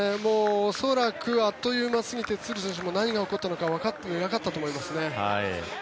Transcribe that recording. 恐らくあっという間すぎてトゥル選手も何が起こったのかわかっていなかったと思います。